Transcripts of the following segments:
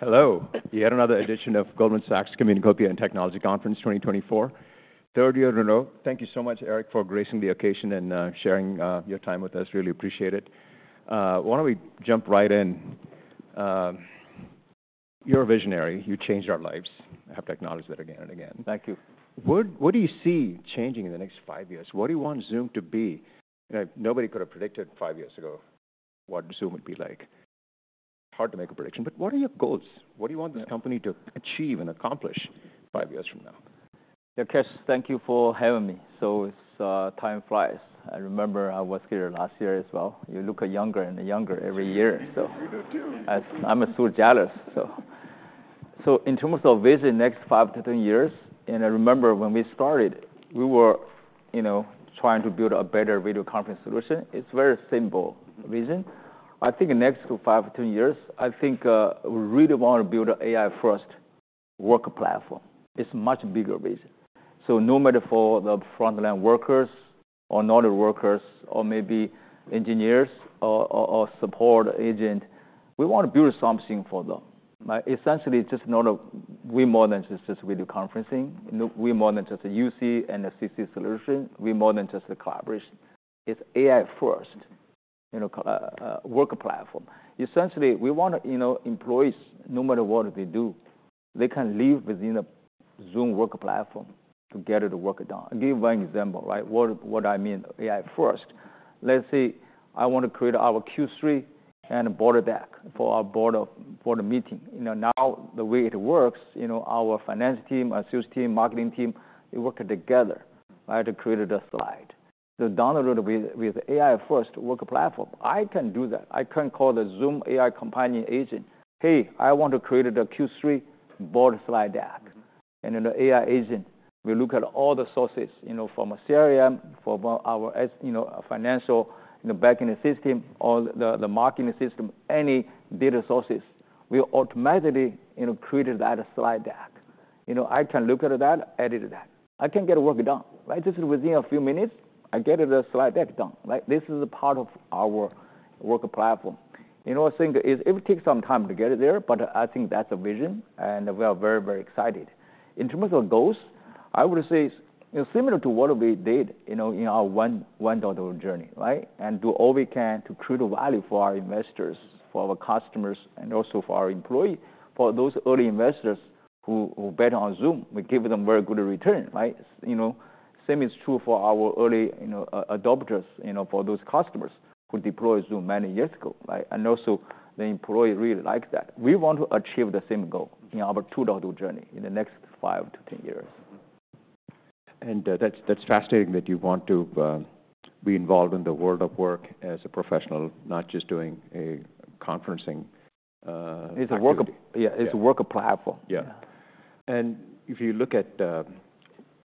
Hello, yet another edition of Goldman Sachs Communications and Technology Conference 2024. Third year in a row. Thank you so much, Eric, for gracing the occasion and sharing your time with us. Really appreciate it. Why don't we jump right in? You're a visionary, you changed our lives. I have to acknowledge that again and again. Thank you. What do you see changing in the next five years? What do you want Zoom to be? You know, nobody could have predicted five years ago what Zoom would be like. Hard to make a prediction, but what are your goals? What do you want this company to achieve and accomplish five years from now? Yeah, Kash, thank you for having me. So, it's time flies. I remember I was here last year as well. You look younger and younger every year, so- You do, too. I’m so jealous, so. So in terms of vision next five to 10 years, and I remember when we started, we were, you know, trying to build a better video conference solution. It’s very simple vision. I think the next five to 10 years, I think, we really want to build an AI-first work platform. It’s much bigger vision. So no matter for the frontline workers or non-workers or maybe engineers or, or, or support agent, we want to build something for them. But essentially, just not a. We’re more than just video conferencing. No, we’re more than just a UC and a CC solution. We’re more than just a collaboration. It’s AI first, you know, work platform. Essentially, we want to, you know, employees, no matter what they do, they can live within a Zoom work platform to get the work done. I'll give one example, right? What I mean AI first. Let's say I want to create our Q3 board deck for our board meeting. You know, now, the way it works, you know, our finance team, our sales team, marketing team, they work together, right, to create a slide. With the AI first work platform, I can do that. I can call the Zoom AI Companion agent, "Hey, I want to create a Q3 board slide deck." And then the AI agent will look at all the sources, you know, from CRM, from our, as you know, financial, the back-end system or the marketing system, any data sources, will automatically, you know, create that slide deck. You know, I can look at that, edit that. I can get work done, right? Just within a few minutes, I get the slide deck done, right? This is a part of our work platform. You know, I think it will take some time to get it there, but I think that's the vision, and we are very, very excited. In terms of goals, I would say it's similar to what we did, you know, in our $1 journey, right? And do all we can to create value for our investors, for our customers, and also for our employees. For those early investors who bet on Zoom, we give them very good return, right? You know, same is true for our early, you know, adopters, you know, for those customers who deployed Zoom many years ago, right? And also the employee really like that. We want to achieve the same goal in our $2 journey in the next five to 10 years. That's fascinating that you want to be involved in the world of work as a professional, not just doing a conferencing. It's a work of- Yeah. It's a work platform. Yeah. And if you look at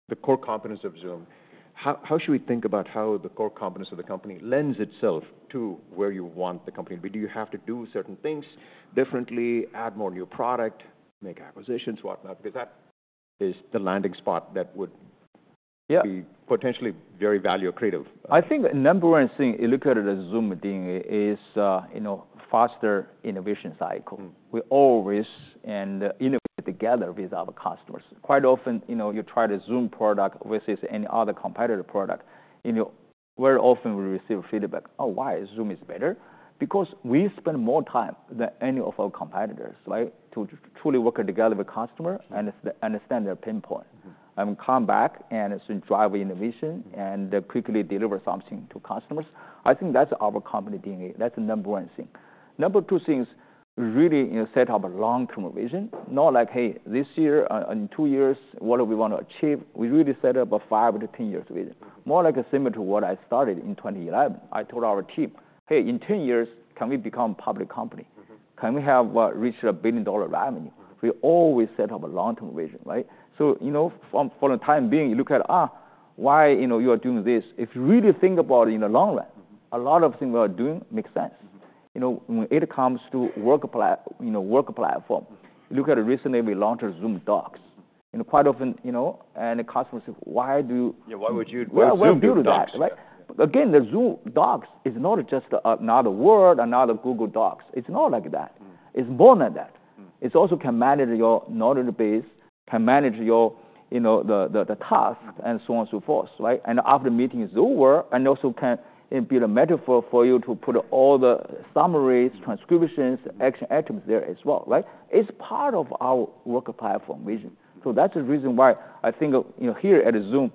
the core competence of Zoom, how should we think about how the core competence of the company lends itself to where you want the company? Do you have to do certain things differently, add more new product, make acquisitions, whatnot? Because that is the landing spot that would- Yeah. be potentially very value-creative. I think the number one thing you look at Zoom doing is, you know, faster innovation cycle. Mm-hmm. We always and innovate together with our customers. Quite often, you know, you try the Zoom product versus any other competitor product, and you very often we receive feedback, "Oh, why Zoom is better?" Because we spend more time than any of our competitors, right, to truly work together with customer and understand their pain point. And we come back, and it's drive innovation and quickly deliver something to customers. I think that's our company DNA. That's the number one thing. Number two thing is really, you know, set up a long-term vision. Not like, "Hey, this year, in two years, what do we want to achieve?" We really set up a five- to 10-years vision. More like similar to what I started in 2011. I told our team, "Hey, in 10 years, can we become public company? Mm-hmm. Can we have reached a billion-dollar revenue? Mm-hmm. We always set up a long-term vision, right? So, you know, for the time being, you look at, why, you know, you are doing this? If you really think about it in the long run- Mm-hmm. A lot of things we are doing makes sense. You know, when it comes to work platform, look at it recently, we launched Zoom Docs. And quite often, you know, and the customers say, "Why do you- Yeah, why would you do Docs? Why we do Docs, right? Again, the Zoom Docs is not just another Word, another Google Docs. It's not like that. Mm. It's more than that. Mm. It's also can manage your knowledge base, can manage your, you know, the task, and so on and so forth, right? And after the meeting is over, and also can be a metaphor for you to put all the summaries, transcriptions, action items there as well, right? It's part of our work platform vision. So that's the reason why I think, you know, here at Zoom,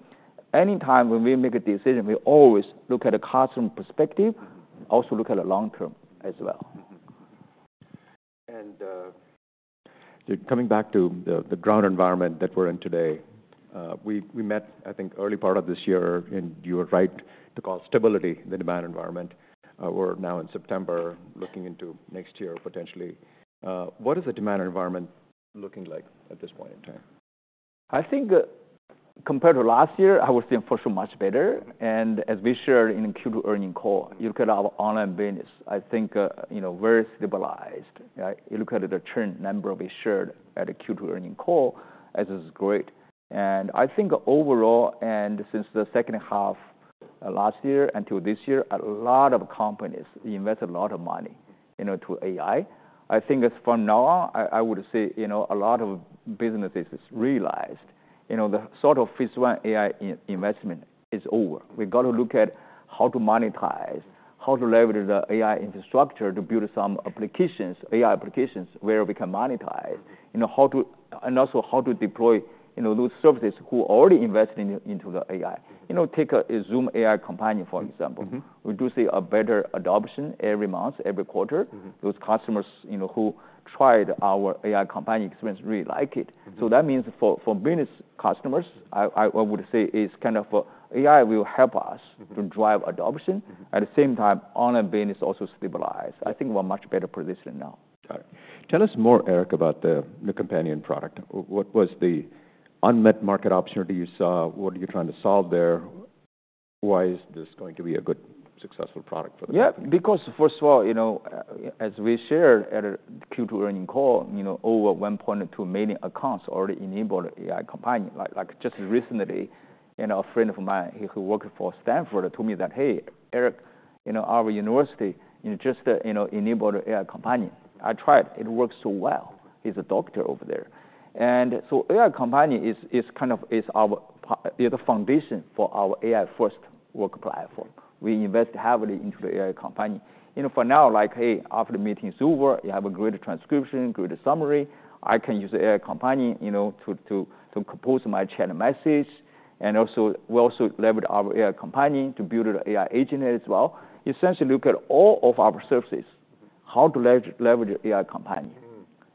anytime when we make a decision, we always look at a customer perspective- Mm-hmm. Also look at the long term as well. Mm-hmm. And coming back to the current environment that we're in today, we met, I think, early part of this year, and you were right to call stability the demand environment. We're now in September, looking into next year, potentially. What is the demand environment looking like at this point in time? I think compared to last year, I would say for sure much better. And as we shared in Q2 earnings call, you look at our online business, I think, you know, very stabilized, right? You look at the current number we shared at the Q2 earnings call, it is great. And I think overall, and since the second half last year until this year, a lot of companies invested a lot of money, you know, to AI. I think as from now on, I would say, you know, a lot of businesses has realized, you know, the sort of Phase I AI investment is over. We've got to look at how to monetize, how to leverage the AI infrastructure to build some applications, AI applications, where we can monetize. You know, and also how to deploy, you know, those services who already invested in, into the AI. You know, take a Zoom AI Companion, for example. Mm-hmm. We do see a better adoption every month, every quarter. Mm-hmm. Those customers, you know, who tried our AI Companion experience really like it. Mm-hmm. So that means for business customers, I would say it's kind of AI will help us- Mm-hmm... to drive adoption. Mm-hmm. At the same time, online business also stabilize. I think we're in a much better position now. Got it. Tell us more, Eric, about the Companion product. What was the unmet market opportunity you saw? What are you trying to solve there? Why is this going to be a good, successful product for the company? Yeah, because first of all, you know, as we shared at our Q2 earnings call, you know, over 1.2 million accounts already enabled AI Companion. Like, just recently, you know, a friend of mine, he, who worked for Stanford, told me that, "Hey, Eric, you know, our university, you know, just, you know, enabled AI Companion. I tried it. It works so well." He's a doctor over there. And so AI Companion is, is kind of, is the foundation for our AI-first work platform. We invest heavily into the AI Companion. You know, for now, like, hey, after the meeting is over, you have a great transcription, great summary, I can use the AI Companion, you know, to compose my chat message. And also, we also leverage our AI Companion to build an AI agent as well. Essentially, look at all of our services, how to leverage AI Companion. Mm.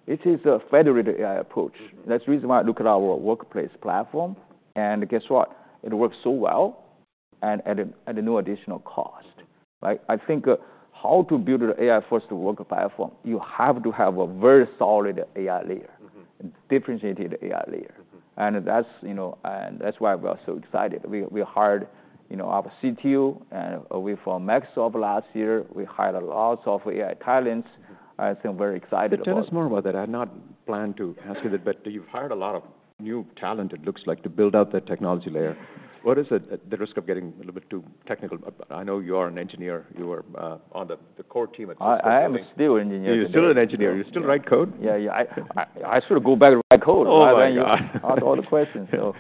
It is a federated AI approach. Mm-hmm. That's the reason why I look at our Workplace platform, and guess what? It works so well, and at no additional cost. Mm. Right? I think how to build an AI-first work platform, you have to have a very solid AI layer. Mm-hmm. A differentiated AI layer. Mm-hmm. That's why we are so excited. We hired, you know, our CTO from Microsoft last year. We hired a lot of AI talents. I think I'm very excited about- Tell us more about that. I had not planned to ask you this, but you've hired a lot of new talent, it looks like, to build out that technology layer. What is it, at the risk of getting a little bit too technical, but I know you are an engineer? You were on the core team at- I am still an engineer. You're still an engineer. Yeah. You still write code? Yeah, yeah. I sort of go back and write code- Oh, my God! When you ask all the questions, so.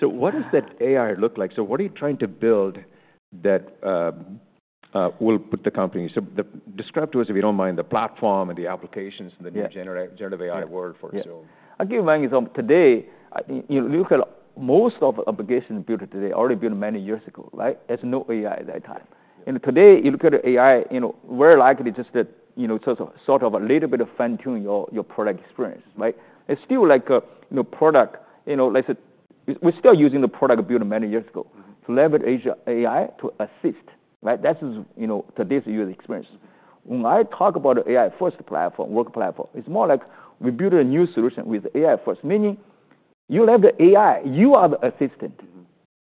So what does that AI look like? So what are you trying to build that will put the company... So describe to us, if you don't mind, the platform and the applications- Yeah. and the new generative AI world for Zoom. Yeah. I'll give you an example. Today, you look at most of the applications built today, already built many years ago, right? There's no AI at that time. Yeah. And today, you look at AI, you know, very likely just, you know, sort of a little bit of fine-tuning your product experience, right? It's still like your product, you know, let's say we're still using the product built many years ago- Mm. To leverage Zoom AI to assist, right? That is, you know, today's user experience. When I talk about AI-first platform, work platform, it's more like we build a new solution with AI first, meaning you have the AI, you are the assistant- Mm-hmm.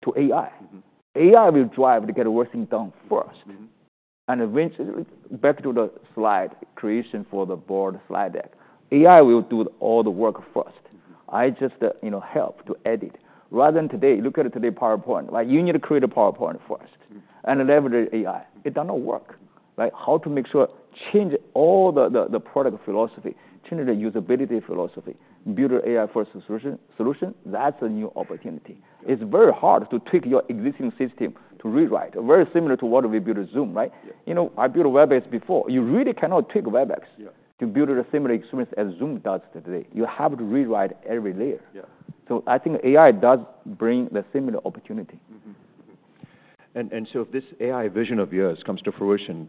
-to AI. Mm-hmm. AI will drive to get the work thing done first. Mm-hmm. Eventually, back to the slide creation for the board slide deck, AI will do all the work first. Mm-hmm. I just, you know, help to edit. Rather than today, look at today's PowerPoint, like, you need to create a PowerPoint first. Mm. And leverage AI. It does not work, right? How to make sure change all the product philosophy, change the usability philosophy, build AI-first solution, that's a new opportunity. Yeah. It's very hard to take your existing system to rewrite. Very similar to what we built at Zoom, right? Yeah. You know, I built Webex before. You really cannot take Webex- Yeah... to build a similar experience as Zoom does today. You have to rewrite every layer. Yeah. So I think AI does bring the similar opportunity. Mm-hmm, mm-hmm. And so if this AI vision of yours comes to fruition,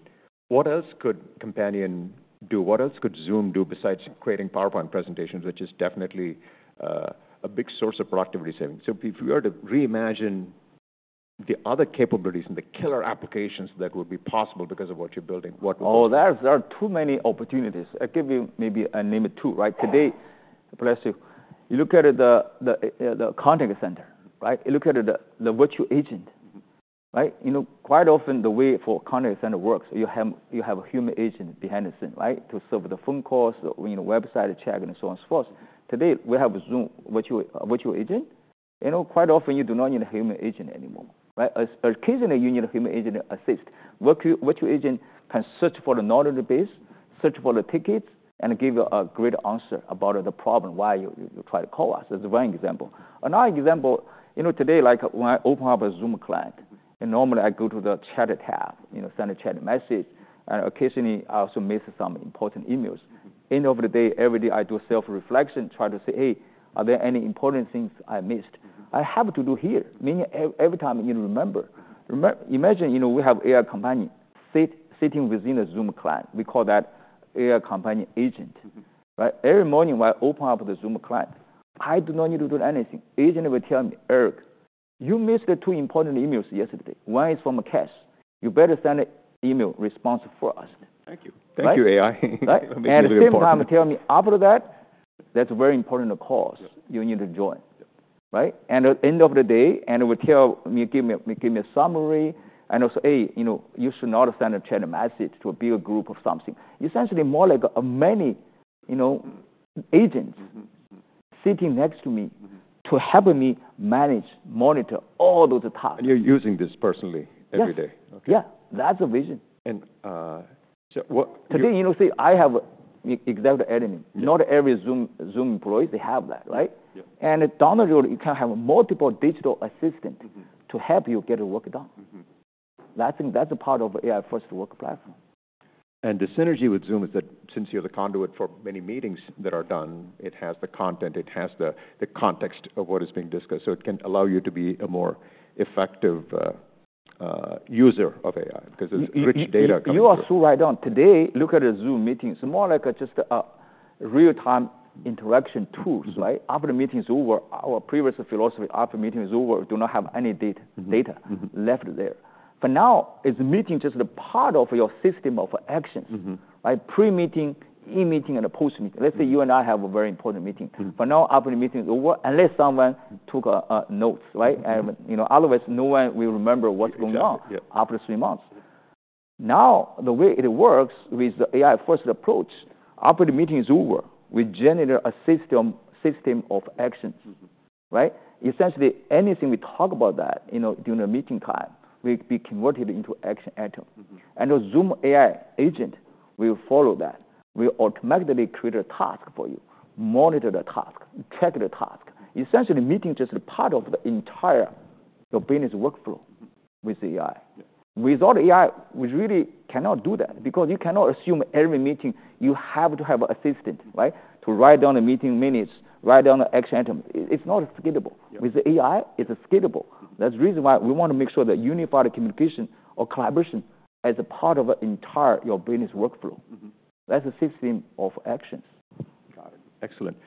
what else could Companion do? What else could Zoom do besides creating PowerPoint presentations, which is definitely a big source of productivity savings? So if you were to reimagine the other capabilities and the killer applications that would be possible because of what you're building, what would- Oh, there are too many opportunities. I'll give you maybe I name it two, right? Today, for instance, you look at the contact center, right? You look at the virtual agent. Mm. Right? You know, quite often, the way the contact center works, you have a human agent behind the scene, right? To solve the phone calls or, you know, website chat, and so on and so forth. Today, we have Zoom Virtual Agent. You know, quite often you do not need a human agent anymore, right? Occasionally, you need a human agent to assist. Virtual Agent can search for the knowledge base, search for the tickets, and give you a great answer about the problem, why you try to call us, as one example. Another example, you know, today, like, when I open up a Zoom client, and normally I go to the chat tab, you know, send a chat message, and occasionally I also miss some important emails. Mm. Over the day, every day, I do a self-reflection, try to say, "Hey, are there any important things I missed? Mm-hmm. I have to do here, meaning every time you remember. Imagine, you know, we have AI Companion sitting within a Zoom client. We call that AI Companion agent. Mm-hmm. Right? Every morning, when I open up the Zoom client, I do not need to do anything. Agent will tell me, "Eric, you missed the two important emails yesterday. One is from Kash. You better send an email response for us. Thank you. Right? Thank you, AI. Right. You made it important. And at the same time, tell me, after that, that's a very important call- Yeah.... you need to join. Yeah. Right? And at the end of the day, it will tell me, give me a summary, and also, "Hey, you know, you should not have sent a chat message to a big group or something." Essentially, more like many, you know, agents sitting next to me- Mm-hmm. to help me manage, monitor all those tasks. And you're using this personally every day? Yes. Okay. Yeah, that's the vision. And, so what- Today, you know, see, I have executive admin. Mm-hmm. Not every Zoom employee, they have that, right? Yeah. Down the road, you can have multiple digital assistants- Mm-hmm. to help you get the work done. Mm-hmm. I think that's a part of AI-first work platform. The synergy with Zoom is that since you're the conduit for many meetings that are done, it has the content, it has the context of what is being discussed, so it can allow you to be a more effective user of AI, 'cause it's rich data coming through. You are so right on. Today, look at a Zoom meeting. It's more like just a real-time interaction tools, right? Mm-hmm. After the meeting is over, our previous philosophy, after meeting is over, do not have any data. Mm-hmm. Data left there. But now, it's a meeting, just the part of your system of actions. Mm-hmm. By pre-meeting, the meeting, and a post-meeting. Mm-hmm. Let's say you and I have a very important meeting. Mm-hmm. But now, after the meeting is over, unless someone took notes, right? Mm-hmm. You know, otherwise, no one will remember what's going on- Exactly, yeah. after three months. Now, the way it works with the AI-first approach, after the meeting is over, we generate a system of actions. Mm-hmm. Right? Essentially, anything we talk about that, you know, during the meeting time, will be converted into action item. Mm-hmm. The Zoom AI agent will follow that, will automatically create a task for you, monitor the task, track the task. Essentially, meeting just a part of the entire your business workflow with the AI. Yeah. Without AI, we really cannot do that because you cannot assume every meeting you have to have an assistant, right? To write down the meeting minutes, write down the action item. It's not scalable. Yeah. With the AI, it's scalable. Mm-hmm. That's the reason why we want to make sure that unified communications or collaboration as a part of your entire business workflow. Mm-hmm. That's a system of actions. Got it. Excellent.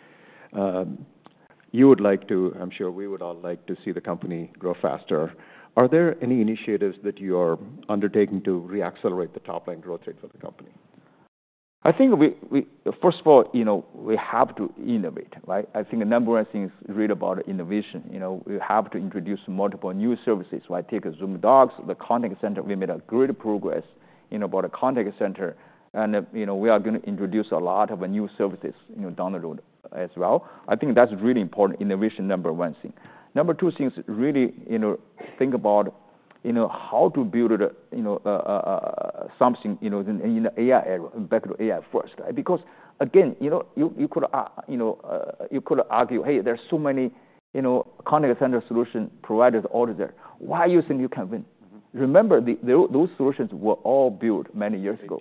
You would like to, I'm sure we would all like to see the company grow faster. Are there any initiatives that you are undertaking to re-accelerate the top-line growth rate for the company? I think we. First of all, you know, we have to innovate, right? I think the number one thing is really about innovation. You know, we have to introduce multiple new services, like, take Zoom Docs, the contact center. We made a great progress, you know, about a contact center. And, you know, we are gonna introduce a lot of new services, you know, down the road as well. I think that's really important, innovation, number one thing. Number two things, really, you know, think about, you know, how to build, you know, something, you know, in AI era, back to AI first, right? Because again, you know, you could, you know, you could argue, "Hey, there are so many, you know, contact center solution providers out there. Why you think you can win? Mm-hmm. Remember, those solutions were all built many years ago.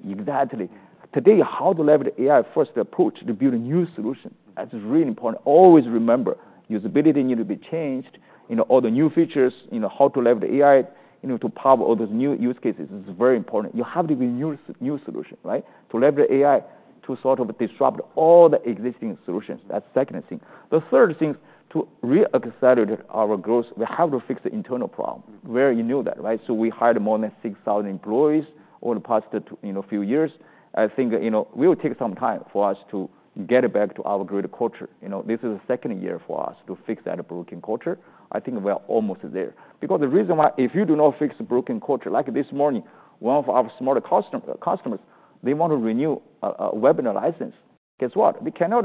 '80s, '90s. Exactly. Mm. Today, how to leverage the AI-first approach to build a new solution, that is really important. Always remember, usability need to be changed. You know, all the new features, you know, how to leverage the AI, you know, to power all those new use cases is very important. You have to be new, new solution, right? To leverage AI to sort of disrupt all the existing solutions, that's second thing. The third thing, to re-accelerate our growth, we have to fix the internal problem. Mm. Yeah, you knew that, right? So we hired more than six thousand employees over the past, you know, few years. I think, you know, we'll take some time for us to get back to our great culture. You know, this is the second year for us to fix that broken culture. I think we are almost there. Because the reason why, if you do not fix the broken culture, like this morning, one of our smaller customers, they want to renew a webinar license. Guess what? We cannot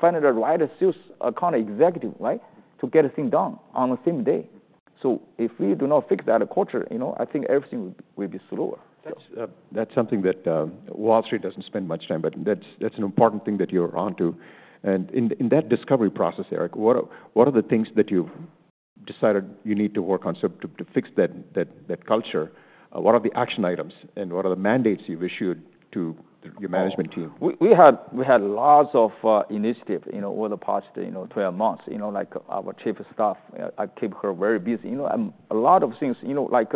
find the right sales account executive, right, to get this thing done on the same day. So if we do not fix that culture, you know, I think everything will be slower. That's something that Wall Street doesn't spend much time, but that's an important thing that you're onto. And in that discovery process, Eric, what are the things that you've decided you need to work on, so to fix that culture? What are the action items, and what are the mandates you've issued to your management team? We had lots of initiative, you know, over the past 12 months. You know, like our chief of staff, I keep her very busy. You know, a lot of things, you know, like,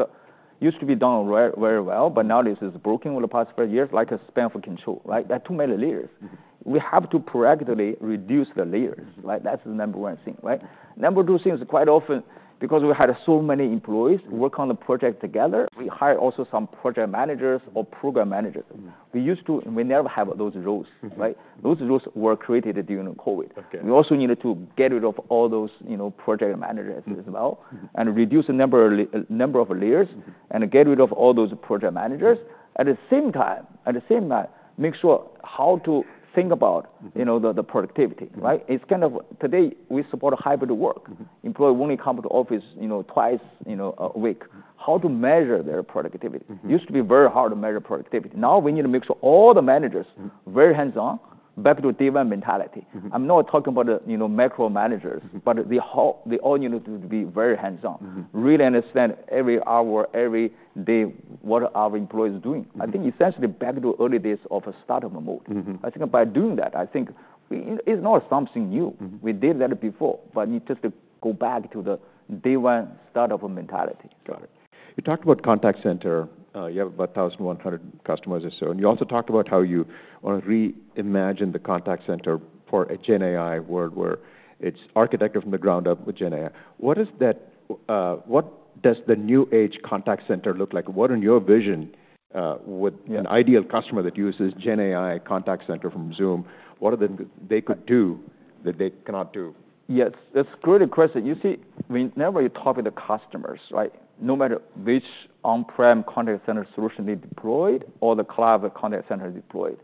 used to be done very, very well, but now this is broken over the past few years, like a span of control, right? There are too many layers. Mm-hmm. We have to proactively reduce the layers, right? That's the number one thing, right? Number two thing is quite often, because we had so many employees work on the project together, we hire also some project managers or program managers. Mm. We never have those roles, right? Mm-hmm. Those roles were created during COVID. Okay. We also needed to get rid of all those, you know, project managers as well- Mm-hmm. and reduce the number of layers- Mm-hmm. and get rid of all those project managers. Yes. At the same time, make sure how to think about- Mm-hmm. you know, the productivity, right? Mm. It's kind of today, we support hybrid work. Mm-hmm. Employees only come to the office, you know, twice, you know, a week. Mm. How to measure their productivity? Mm-hmm. Used to be very hard to measure productivity. Now, we need to make sure all the managers- Mm. very hands-on, back to day one mentality. Mm-hmm. I'm not talking about, you know, micromanagers- Mm-hmm. but the whole, they all need to be very hands-on. Mm-hmm. Really understand every hour, every day, what are our employees doing. Mm-hmm. I think essentially back to the early days of a startup. Mm-hmm. I think by doing that, I think it's not something new. Mm-hmm. We did that before, but we just go back to the day one startup mentality. Got it. You talked about contact center. You have about 1,100 customers or so, and you also talked about how you want to reimagine the contact center for a GenAI world, where it's architected from the ground up with GenAI. What is that, what does the new age contact center look like? What, in your vision, would- Yeah. an ideal customer that uses GenAI Contact Center from Zoom, what are they could do that they cannot do? Yes, that's a great question. You see, we never talking to customers, right? No matter which on-prem contact center solution they deployed or the cloud contact center deployed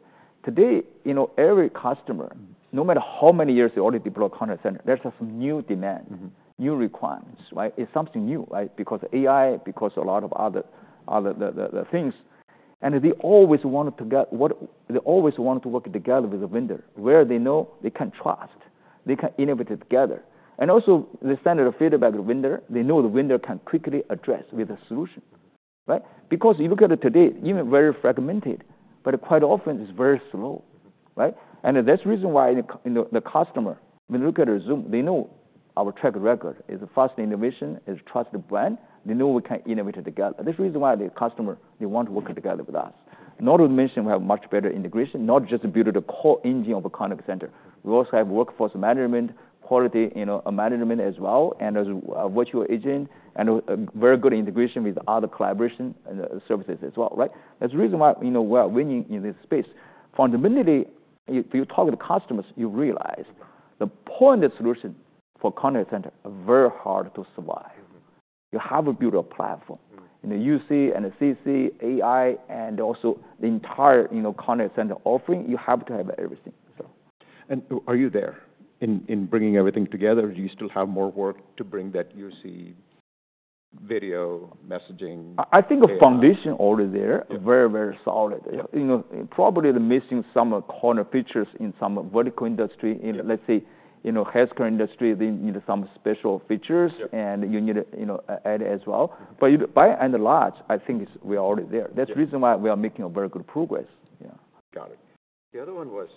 today, you know, every customer, no matter how many years they already deployed contact center, there's a new demand. Mm-hmm. New requirements, right? It's something new, right? Because AI, because a lot of other, the things. And they always wanted to work together with the vendor, where they know they can trust, they can innovate together. And also, the standard of feedback vendor, they know the vendor can quickly address with a solution, right? Because you look at it today, even very fragmented, but quite often it's very slow, right? And that's the reason why the you know, the customer, when they look at Zoom, they know our track record is fast innovation, is trusted brand. They know we can innovate together. This is reason why the customer, they want to work together with us. Not to mention, we have much better integration, not just build the core engine of a contact center. We also have workforce management, quality, you know, management as well, and as a virtual agent, and a very good integration with other collaboration and services as well, right? That's the reason why, you know, we're winning in this space. Fundamentally, if you talk with customers, you realize point solutions for contact center are very hard to survive. Mm-hmm. You have to build a platform. Mm. In the UC and the CC, AI, and also the entire, you know, contact center offering, you have to have everything, so. Are you there in bringing everything together, or do you still have more work to bring that UC video messaging, AI? I think the foundation already there. Yeah. Very, very solid. You know, probably missing some corner features in some vertical industry. Yeah. In, let's say, you know, healthcare industry, they need some special features. Yeah. And you need, you know, add as well. Mm-hmm. But by and large, I think it's we are already there. Yeah. That's the reason why we are making a very good progress. Yeah. Got it. The other one was,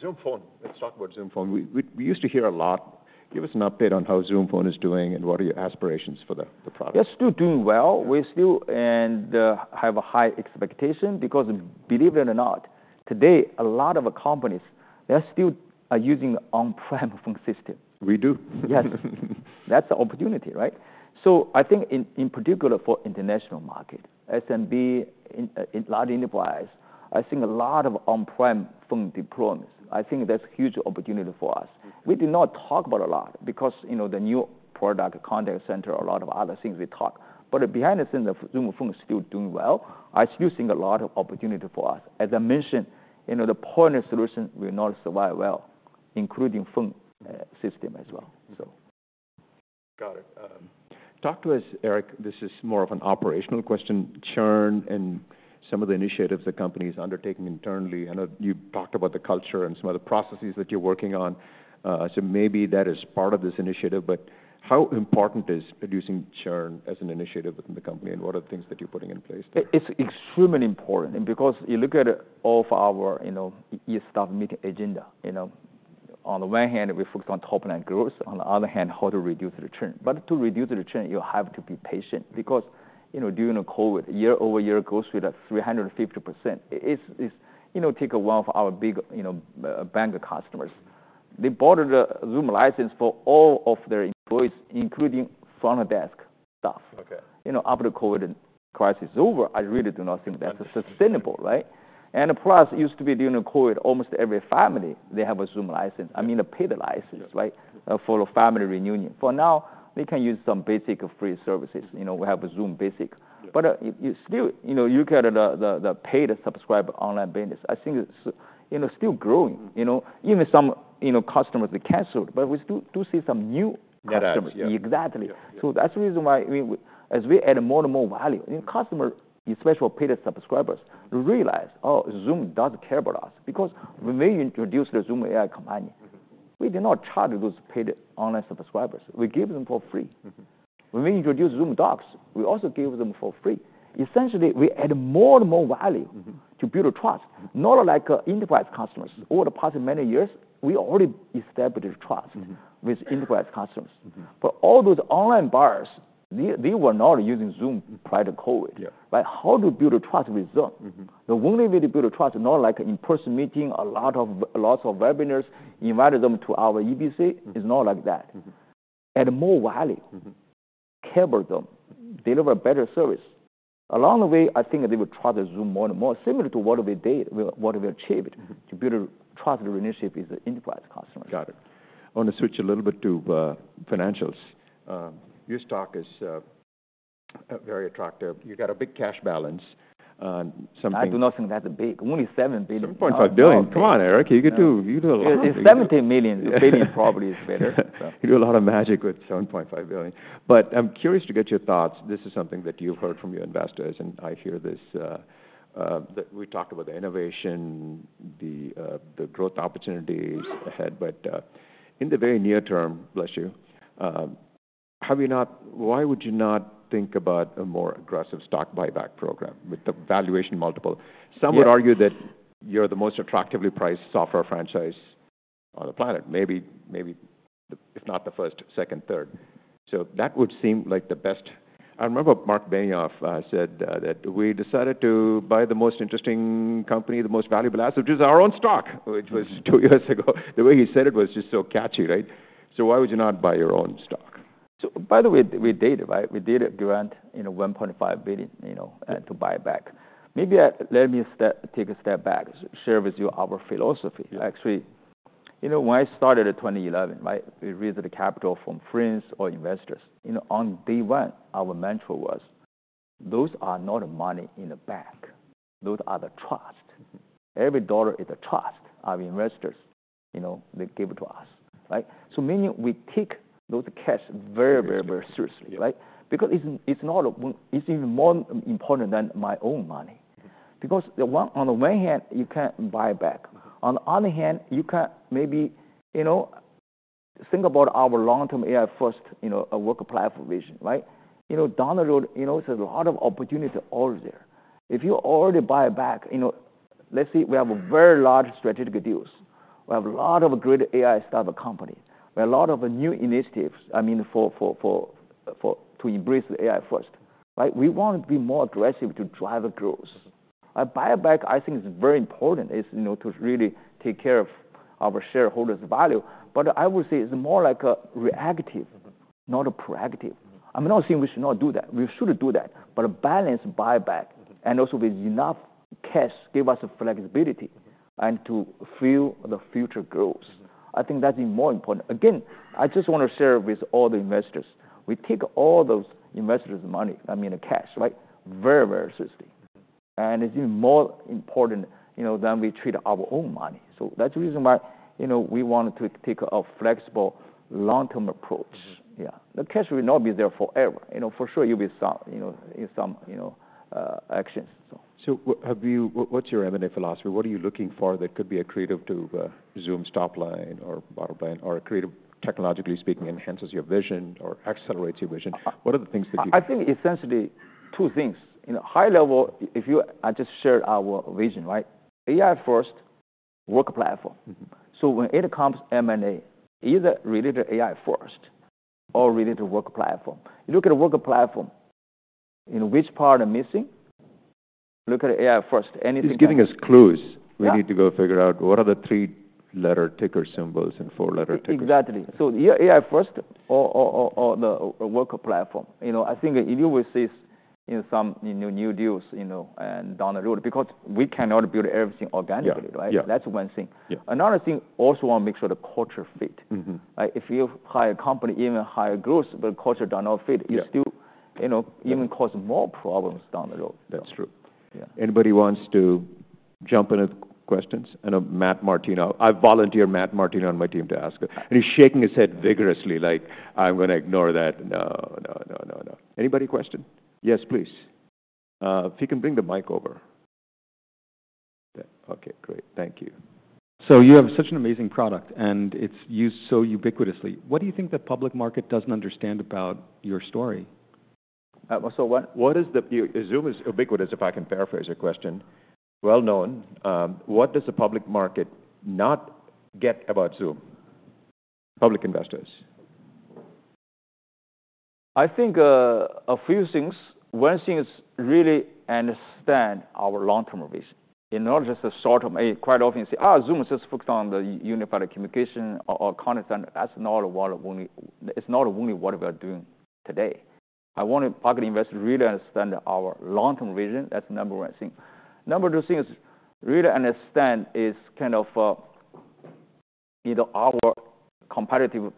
Zoom Phone. Let's talk about Zoom Phone. We used to hear a lot. Give us an update on how Zoom Phone is doing, and what are your aspirations for the product? It's still doing well. Yeah. We're still and have a high expectation because, believe it or not, today, a lot of companies, they still are using on-prem phone system. We do. Yes. That's the opportunity, right? So I think in particular for international market, SMB, in large enterprise, I think a lot of on-prem phone deployments. I think that's a huge opportunity for us. Mm-hmm. We do not talk about a lot, because, you know, the new product, contact center, a lot of other things we talk. But behind the scenes, the Zoom Phone is still doing well. Mm-hmm. I still think a lot of opportunity for us. As I mentioned, you know, the point solution will not survive well, including phone system as well, so. Got it. Talk to us, Eric. This is more of an operational question, churn and some of the initiatives the company is undertaking internally. I know you talked about the culture and some of the processes that you're working on, so maybe that is part of this initiative, but how important is reducing churn as an initiative within the company, and what are the things that you're putting in place there? It's extremely important, and because you look at all of our, you know, staff meeting agenda, you know, on the one hand, we focus on top-line growth, on the other hand, how to reduce the churn, but to reduce the churn, you have to be patient because, you know, during the COVID, year-over-year growth with 350%, it's. You know, take one of our big, you know, bank customers. They bought a Zoom license for all of their employees, including front desk staff. Okay. You know, after the COVID crisis is over, I really do not think that's sustainable, right? Yeah. Plus, it used to be, during the COVID, almost every family, they have a Zoom license. I mean, a paid license- Yeah right? For a family reunion. For now, they can use some basic free services. You know, we have Zoom Basic. Yeah. But, you still, you know, you look at the paid subscriber online business, I think it's, you know, still growing. Mm. You know, even some, you know, customers, they canceled, but we still do see some new customers. Come out, yeah. Exactly. Yeah, yeah. So that's the reason why we, as we add more and more value, and customers, especially paid subscribers, realize, "Oh, Zoom does care about us." Because when we introduced the Zoom AI Companion- Mm-hmm we did not charge those paid online subscribers. We gave them for free. Mm-hmm. When we introduced Zoom Docs, we also gave them for free. Essentially, we add more and more value- Mm-hmm... to build a trust. Mm. Not like enterprise customers. Over the past many years, we already established trust- Mm-hmm... with enterprise customers. Mm-hmm. For all those online buyers, they were not using Zoom prior to COVID. Yeah. But how to build a trust with Zoom? Mm-hmm. The only way to build a trust, not like an in-person meeting, lots of webinars, invite them to our EBC, it's not like that. Mm-hmm. Add more value. Mm-hmm. Care about them, deliver better service. Along the way, I think they will try the Zoom more and more, similar to what we did, what we achieved- Mm-hmm... to build a trusted relationship with the enterprise customers. Got it. I want to switch a little bit to financials. Your stock is very attractive. You've got a big cash balance, something- I do not think that's big. Only $7 billion. $7.5 billion. Oh. Come on, Eric, you could do a lot with that. $17 million. $1 billion probably is better, so. You do a lot of magic with $7.5 billion. But I'm curious to get your thoughts. This is something that you've heard from your investors, and I hear this, that we talked about the innovation, the growth opportunities ahead. But, in the very near term... Bless you. Why would you not think about a more aggressive stock buyback program with the valuation multiple? Yeah. Some would argue that you're the most attractively priced software franchise on the planet. Maybe, maybe if not the first, second, third. So that would seem like the best. I remember Mark Benioff said that, "We decided to buy the most interesting company, the most valuable asset, which is our own stock," which was two years ago. The way he said it was just so catchy, right? So why would you not buy your own stock? So by the way, we did it, right? We did it during, you know, $1.5 billion, you know, to buy back. Maybe, let me take a step back, share with you our philosophy. Yeah. Actually, you know, when I started in 2011, right, we raised the capital from friends or investors. You know, on day one, our mantra was... those are not money in the bank. Those are the trust. Every dollar is a trust of investors, you know, they give to us, right? So meaning we take those cash very, very, very seriously, right? Yeah. Because it's not a-- it's even more important than my own money. Because on the one hand, you can't buy back. On the other hand, you can't maybe, you know, think about our long-term AI-first, you know, work platform vision, right? You know, down the road, you know, there's a lot of opportunity all there. If you already buy back, you know, let's say we have a very large strategic deals. We have a lot of great AI startup companies. We have a lot of new initiatives, I mean, for to embrace the AI-first, right? We want to be more aggressive to drive growth. A buyback, I think, is very important, you know, to really take care of our shareholders' value. But I would say it's more like a reactive, not a proactive. I'm not saying we should not do that. We should do that, but a balanced buy back, and also with enough cash, give us the flexibility and to fuel the future growth. I think that's more important. Again, I just want to share with all the investors, we take all those investors' money, I mean, the cash, right, very, very seriously, and it's even more important, you know, than we treat our own money, so that's the reason why, you know, we wanted to take a flexible long-term approach. Mm-hmm. Yeah. The cash will not be there forever. You know, for sure, you'll be some, you know, in some, you know, actions, so. So what have you, what's your M&A philosophy? What are you looking for that could be accretive to Zoom's top line or bottom line, or accretive, technologically speaking, enhances your vision or accelerates your vision? What are the things that you- I think essentially two things. In a high level, I just shared our vision, right? AI first, work platform. Mm-hmm. So when it comes to M&A, either related to AI first or related to work platform. You look at a work platform, you know, which part are missing? Look at AI first. Anything- It's giving us clues. Yeah. We need to go figure out what are the three-letter ticker symbols and four-letter tickers. Exactly. So yeah, AI first or the work platform. You know, I think you will see in some new deals, you know, and down the road, because we cannot build everything organically, right? Yeah, yeah. That's one thing. Yeah. Another thing, also want to make sure the culture fit. Mm-hmm. Right? If you hire a company, even higher growth, but culture does not fit- Yeah... it's still, you know, even causing more problems down the road. That's true. Yeah. Anybody wants to jump in with questions? I know Matthew Martino. I volunteer Matthew Martino on my team to ask, and he's shaking his head vigorously, like, I'm gonna ignore that. No, no, no, no, no. Anybody question? Yes, please. If you can bring the mic over. Yeah. Okay, great. Thank you. So you have such an amazing product, and it's used so ubiquitously. What do you think the public market doesn't understand about your story? So what is the view? Zoom is ubiquitous, if I can paraphrase your question. Well known. What does the public market not get about Zoom? Public investors. I think, a few things. One thing is really understand our long-term vision, and not just the short term. Quite often you say, "Ah, Zoom is just focused on the unified communication or content." That's not what only, it's not only what we are doing today. I want to public investors to really understand our long-term vision. That's number one thing. Number two thing is really understand is kind of, you know, our competitive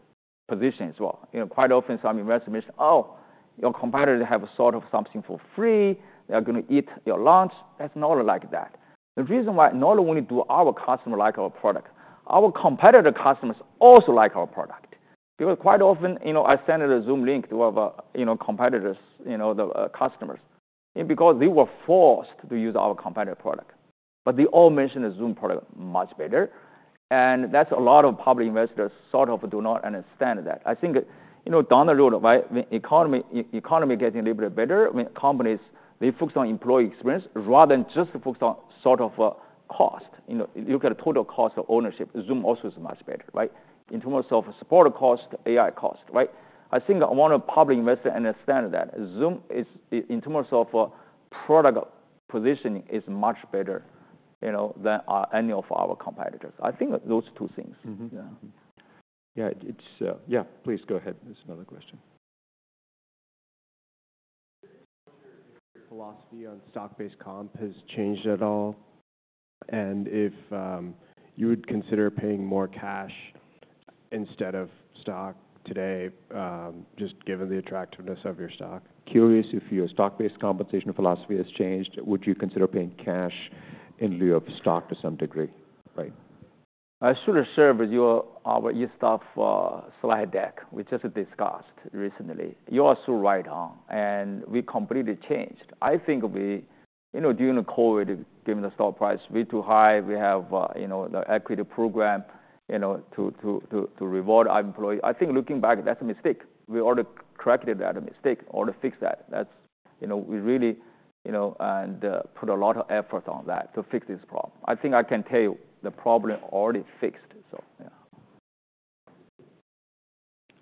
position as well. You know, quite often some investors, "Oh, your competitors have sort of something for free. They are going to eat your lunch." It's not like that. The reason why not only do our customers like our product, our competitor customers also like our product. Because quite often, you know, I send a Zoom link to our, you know, competitors, you know, the customers, because they were forced to use our competitor product. But they all mentioned the Zoom product much better, and that's a lot of public investors sort of do not understand that. I think, you know, down the road, right, the economy getting a little bit better, when companies, they focus on employee experience rather than just focus on sort of cost. You know, you look at the total cost of ownership, Zoom also is much better, right? In terms of support cost, AI cost, right? I think I want a public investor understand that Zoom is, in terms of product positioning, is much better, you know, than any of our competitors. I think those two things. Mm-hmm. Yeah. Yeah, it's... Yeah, please go ahead. There's another question. Philosophy on stock-based comp has changed at all, and if you would consider paying more cash instead of stock today, just given the attractiveness of your stock? Curious if your stock-based compensation philosophy has changed. Would you consider paying cash in lieu of stock to some degree? Right. I should have shared with you our latest slide deck we just discussed recently. You are so right on, and we completely changed. I think we, you know, during the COVID, given the stock price way too high, we have, you know, the equity program, you know, to reward our employees. I think looking back, that's a mistake. We already corrected that mistake or fixed that. That's, you know, we really, you know, and put a lot of effort on that to fix this problem. I think I can tell you the problem already fixed, so yeah.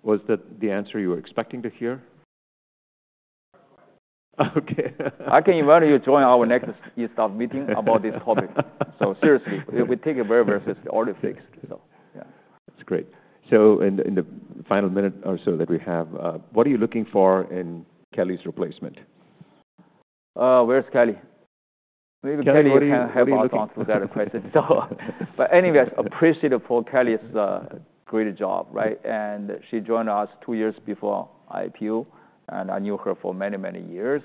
Was that the answer you were expecting to hear? Okay. I can invite you to join our next East Coast meeting about this topic. So seriously, we take it very, very serious. Already fixed. So yeah. That's great. So in the final minute or so that we have, what are you looking for in Kelly's replacement? Where's Kelly?... Maybe Kelly can help answer that question. So, but anyway, I appreciate for Kelly's great job, right? And she joined us two years before IPO, and I knew her for many, many years.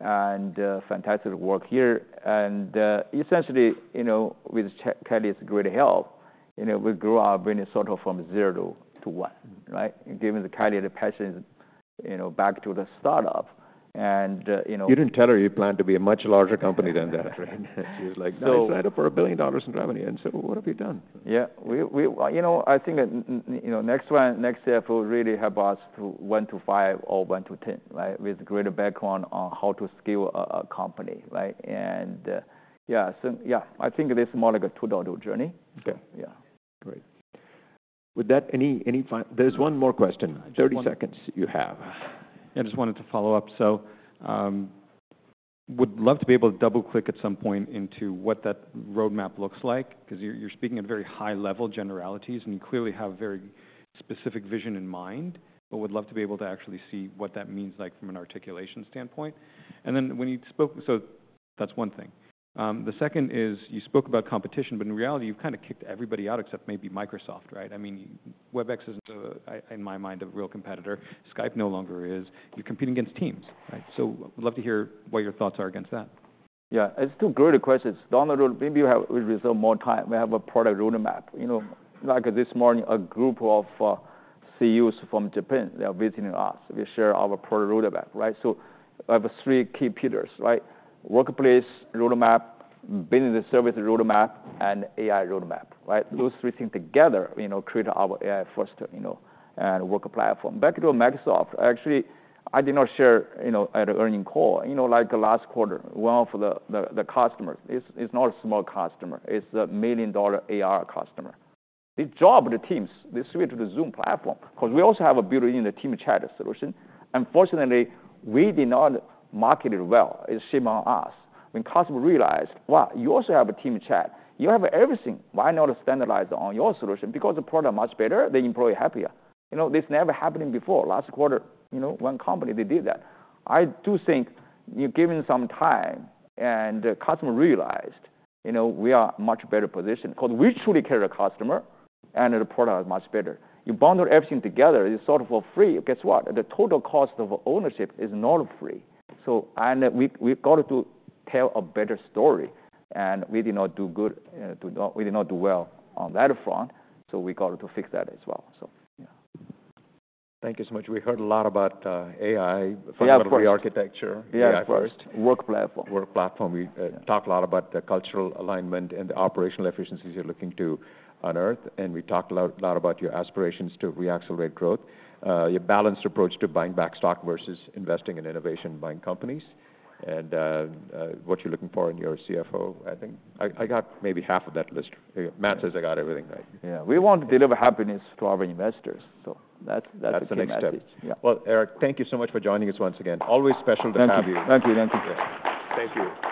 And, fantastic work here. And, essentially, you know, with Kelly's great help, you know, we grew our business sort of from zero to one, right? Given the Kelly, the passion, you know, back to the startup. And, you know- You didn't tell her you planned to be a much larger company than that, right? She was like- So- I signed up for $1 billion in revenue, and so what have you done? Yeah. We, you know, I think that, you know, next one, next step will really help us to one to five or one to 10, right? With greater background on how to scale a company, right? And, yeah. So yeah, I think it is more like a $2 journey. Okay. Yeah. Great. With that, any final? There's one more question. 30 seconds you have. I just wanted to follow up, so would love to be able to double-click at some point into what that roadmap looks like, 'cause you're speaking at a very high level, generalities, and you clearly have a very specific vision in mind, but would love to be able to actually see what that means, like from an articulation standpoint, and then when you spoke, so that's one thing. The second is, you spoke about competition, but in reality, you've kind of kicked everybody out except maybe Microsoft, right? I mean, Webex is in my mind, a real competitor. Skype no longer is. You're competing against Teams, right? So would love to hear what your thoughts are against that. Yeah, it's two great questions. Down the road, maybe we have, we reserve more time. We have a product roadmap. You know, like this morning, a group of CEOs from Japan, they are visiting us. We share our product roadmap, right? So we have three key pillars, right? Workplace roadmap, business service roadmap, and AI roadmap, right? Those three things together, you know, create our AI first, you know, and work platform. Back to Microsoft. Actually, I did not share, you know, at earnings call. You know, like last quarter, one of the customers, it's not a small customer, it's a $1 million ARR customer. They dropped the Teams. They switched to the Zoom platform, 'cause we also have a built-in the Team Chat solution. Unfortunately, we did not market it well. It's shame on us. When customer realized, "Wow, you also have a Team Chat, you have everything. Why not standardize on your solution? Because the product is much better, the employee happier." You know, this never happened before. Last quarter, you know, one company, they did that. I do think you're given some time, and the customer realized, you know, we are much better positioned, 'cause we truly care the customer, and the product is much better. You bundle everything together, it's sort of for free. Guess what? The total cost of ownership is not free, so we, we've got to tell a better story, and we did not do good, we did not do well on that front, so we got to fix that as well, so yeah. Thank you so much. We heard a lot about AI- Yeah, of course.... from the architecture. Yeah, first, work platform. Work platform. We talked a lot about the cultural alignment and the operational efficiencies you're looking to unearth, and we talked a lot about your aspirations to reaccelerate growth, your balanced approach to buying back stock versus investing in innovation, buying companies, and what you're looking for in your CFO. I think I got maybe half of that list. Matt says I got everything right. Yeah. We want to deliver happiness to our investors, so that's- That's the next step. Yeah. Eric, thank you so much for joining us once again. Always special to have you. Thank you. Thank you. Thank you.